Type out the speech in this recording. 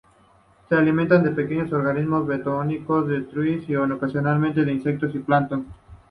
Se alimenta de pequeños organismos bentónicos, detritus y, ocasionalmente, de insectos y plancton.